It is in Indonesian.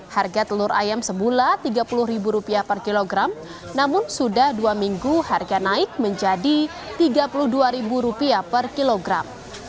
harga telur ayam sebulan rp tiga puluh per kilogram namun sudah dua minggu harga naik menjadi rp tiga puluh dua per kilogram